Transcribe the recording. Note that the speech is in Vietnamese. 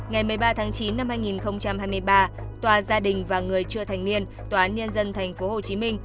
ngày một mươi ba tháng chín năm hai nghìn hai mươi ba tòa gia đình và người chưa thành niên tòa án nhân dân tp hcm